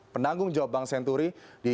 pendanggung jawab bank senturi